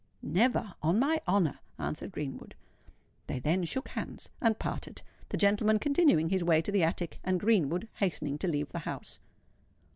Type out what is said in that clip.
"Never—on my honour!" answered Greenwood. They then shook hands, and parted—the gentleman continuing his way to the attic, and Greenwood hastening to leave the house.